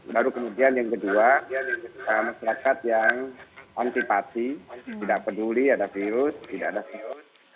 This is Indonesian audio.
baru kemudian yang kedua masyarakat yang antipati tidak peduli ada virus tidak ada virus